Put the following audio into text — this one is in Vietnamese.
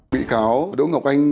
bị cáo đỗ ngọc anh